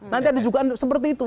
nanti ada juga seperti itu